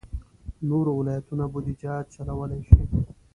نور ولایتونه بودجه چلولای شي.